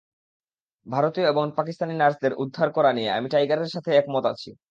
ভারতীয় এবং পাকিস্তানি নার্সদের উদ্ধার করা নিয়ে, - আমি টাইগারের সাথে একমত আছি।